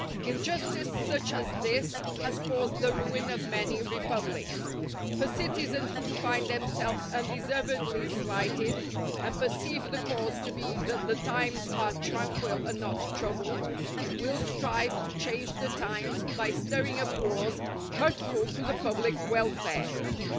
Injustice such as this has caused the ruin of many republics. For citizens who find themselves undeservedly slighted, and perceive the cause to be that the times are tranquil and not troubled, will strive to change the times by stirring up wars hurtful to the public welfare.